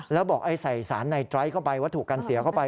แล้วบอกใส่สารในไตรเข้าไปวัตถุกันเสียเข้าไป